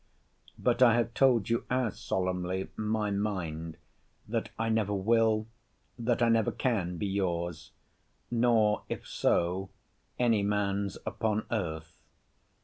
But I have told you as solemnly my mind, that I never will, that I never can be your's; nor, if so, any man's upon earth.